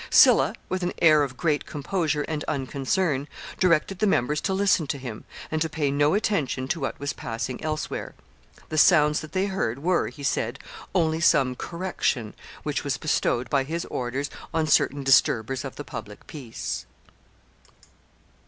Sylla, with an air of great composure and unconcern, directed the members to listen to him, and to pay no attention to what was passing elsewhere. The sounds that they heard were, he said, only some correction which was bestowed by his orders on certain disturbers of the public peace.